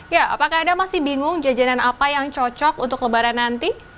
ya apakah anda masih bingung jajanan apa yang cocok untuk lebaran nanti